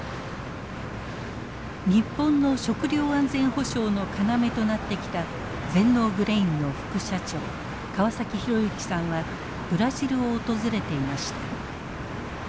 日本の食料安全保障の要となってきた全農グレインの副社長川崎浩之さんはブラジルを訪れていました。